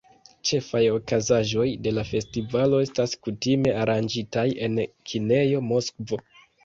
Ĉefaj okazaĵoj de la festivalo estas kutime aranĝitaj en kinejo Moskvo.